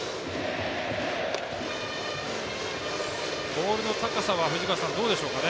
ボールの高さはどうでしょうかね